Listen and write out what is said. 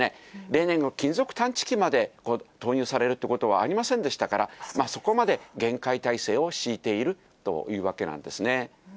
例年、金属探知機まで投入されるということはありませんでしたから、そこまで厳戒態勢を敷いているというわけなんですね。